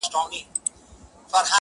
که پاچا دی که امیر ګورته رسیږي!!